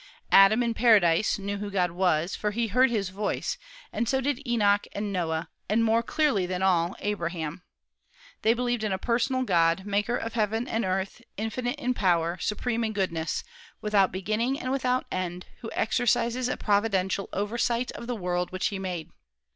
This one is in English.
Adam, in paradise, knew who God was, for he heard His voice; and so did Enoch and Noah, and, more clearly than all, Abraham. They believed in a personal God, maker of heaven and earth, infinite in power, supreme in goodness, without beginning and without end, who exercises a providential oversight of the world which he made.